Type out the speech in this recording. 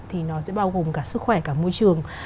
thì nó sẽ bao gồm cả sức khỏe cả môi trường